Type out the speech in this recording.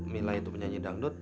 milah itu penyanyi dangdut